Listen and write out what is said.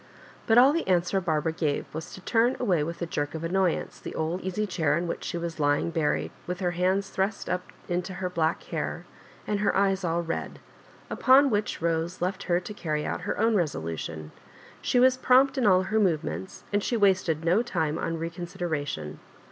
But all the answer Barbara gave was to turn away with a jerk of annoyance the old eaefy chair in which she was lying buried, with her hands thrust up into her black hair, and her eyes all red ; upon which Bose left her to carry out her own resolution. She was prompt in all her movements, and she wasted no time on recon sideration.